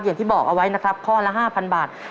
อย่างที่บอกเอาไว้นะครับข้อละ๕๐๐บาท